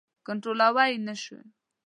کنټرولولای نه شوای.